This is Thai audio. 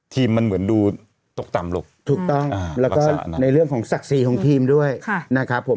ทีมมันเหมือนดูตกต่ำลูกถูกต้องแล้วก็ในเรื่องของศักดิ์ศรีของทีมด้วยนะครับผม